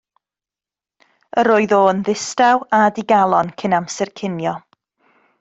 Yr oedd o yn ddistaw a digalon cyn amser cinio.